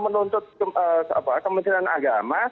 menuntut kementerian agama